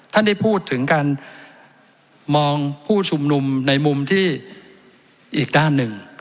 ท่านได้พูดถึงการมองผู้ชุมนุมในมุมที่อีกด้านหนึ่ง